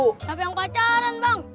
siapa yang pacaran bang